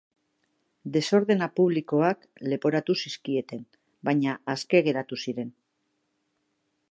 Desordena publikoak leporatu zizkieten, baina aske geratu ziren.